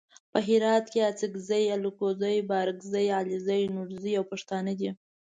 په هرات کې اڅګزي الکوزي بارګزي علیزي نورزي او پښتانه دي.